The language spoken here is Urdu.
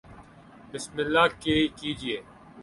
بسم اللہ کیجئے